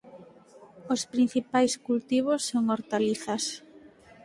Os principais cultivos son hortalizas.